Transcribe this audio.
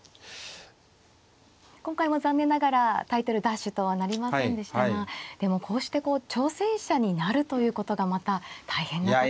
今回は残念ながらタイトル奪取とはなりませんでしたがでもこうしてこう挑戦者になるということがまた大変なことですよね。